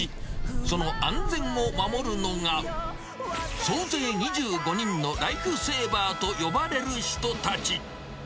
その安全を守るのが、総勢２５人のライフセーバーと呼ばれる人たち。